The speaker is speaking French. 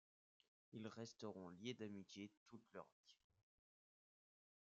Ils resteront liés d'amitié toute leur vie.